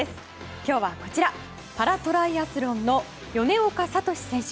今日は、パラトライアスロンの米岡聡選手。